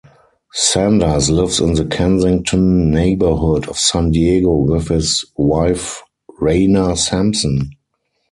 Sanders lives in the Kensington neighborhood of San Diego with his wife Rana Sampson.